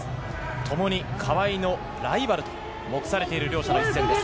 ともに川井のライバルと目されている両者です。